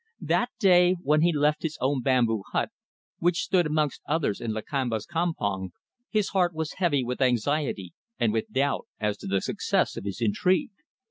That day when he left his own bamboo hut which stood amongst others in Lakamba's campong his heart was heavy with anxiety and with doubt as to the success of his intrigue.